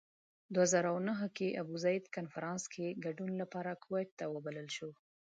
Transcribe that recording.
دوه زره نهه کې ابوزید کنفرانس کې ګډون لپاره کویت ته وبلل شو.